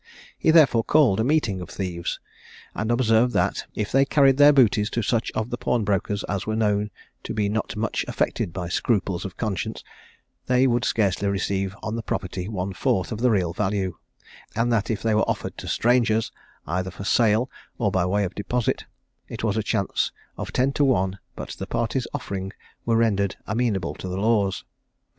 He therefore called a meeting of thieves, and observed that, if they carried their booties to such of the pawnbrokers as were known to be not much affected by scruples of conscience, they would scarcely receive on the property one fourth of the real value; and that if they were offered to strangers, either for sale or by way of deposit, it was a chance of ten to one but the parties offering were rendered amenable to the laws.